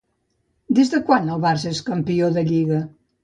Des de quan el Barça és campió de lliga?